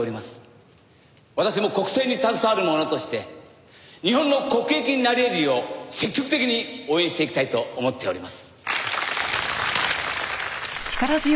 私も国政に携わる者として日本の国益になり得るよう積極的に応援していきたいと思っております。